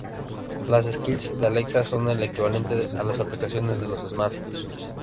Las skills de Alexa son el equivalente a las aplicaciones de los smartphones.